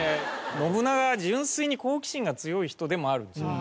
信長は純粋に好奇心が強い人でもあるんですよ。